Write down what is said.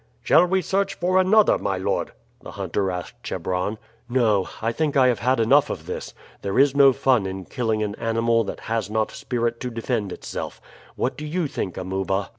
"Shall we search for another, my lord?" the hunter asked Chebron. "No. I think I have had enough of this. There is no fun in killing an animal that has not spirit to defend itself. What do you think, Amuba?"